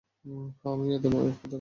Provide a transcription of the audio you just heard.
হ্যাঁ, আমিও এতে একমত।